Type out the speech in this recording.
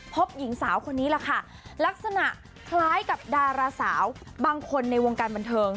หญิงสาวคนนี้แหละค่ะลักษณะคล้ายกับดาราสาวบางคนในวงการบันเทิง